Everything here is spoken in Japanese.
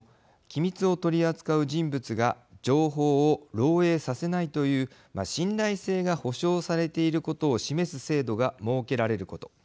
日本でも、機密を取り扱う人物が情報を漏えいさせないという信頼性が保証されていることを示す制度が設けられること。